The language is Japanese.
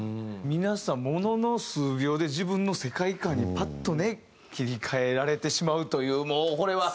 皆さんものの数秒で自分の世界観にパッとね切り替えられてしまうというもうこれは。